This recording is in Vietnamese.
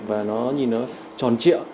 và nhìn nó tròn triệu